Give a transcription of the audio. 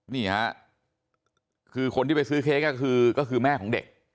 นี่ฮะคือคนที่ไปซื้อเค้กก็คือก็คือแม่ของเด็ก